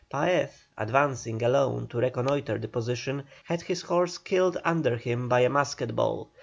Paez, advancing alone to reconnoitre the position, had his horse killed under him by a musket ball.